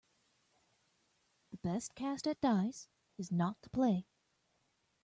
The best cast at dice is not to play.